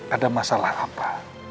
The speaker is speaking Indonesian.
ada masalah apa